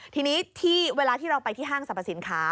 ทีนี้ที่เวลาที่เราไปที่ห้างสรรพสินค้า